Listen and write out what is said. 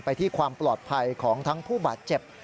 ไปที่ความปลอดภัยของทั้งผู้บาดเจ็บ